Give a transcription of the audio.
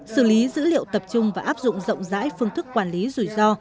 xử lý dữ liệu tập trung và áp dụng rộng rãi phương thức quản lý rủi ro